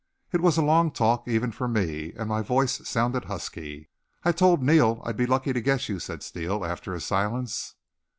It was a long talk, even for me, and my voice sounded husky. "I told Neal I'd be lucky to get you," said Steele, after a silence.